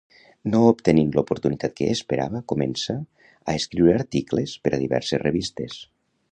No obtenint l'oportunitat que esperava, comença a escriure articles per a diverses revistes.